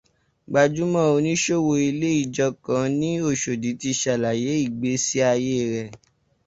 Gbajúmọ̀ oníṣòwò ilé ijó kan ní Oshòdì ti ṣàlàyé ìgbésí ayé rẹ̀